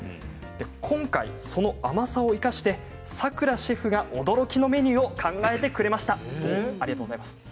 今回その甘さを生かしてさくらシェフが驚きのメニューを考えてくれました。